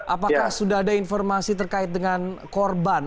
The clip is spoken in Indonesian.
apakah sudah ada informasi terkait dengan korban